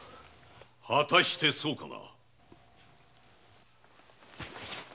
・はたしてそうかな？